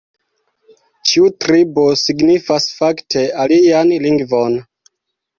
Ĉiu tribo signifas fakte alian lingvon.